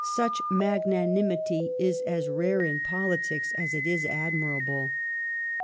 Such magnanimity is as rare in politics as it is admirable.